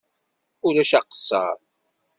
Ulac aqeṣṣeṛ.